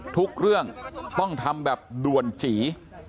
ทุกเรื่องต้องทำแบบด่วนจี